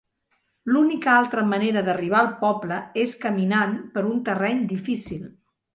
L'única altra manera d'arribar al poble és caminant per un terreny difícil.